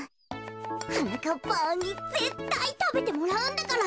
はなかっぱんにぜったいたべてもらうんだから。